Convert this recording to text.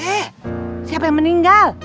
eh siapa yang meninggal